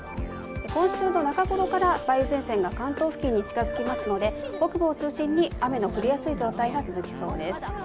今週の中ごろから梅雨前線が関東付近に近づきますので北部を中心に雨の降りやすい状態が続きそうです。